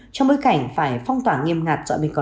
trong bối cảnh phải phong tỏa nghiêm ngặt do omicron bùng phát